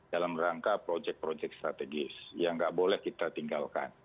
dalam rangka projek projek strategis yang tidak boleh kita tinggalkan